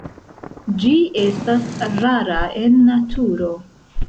Ĝi estas rara en naturo.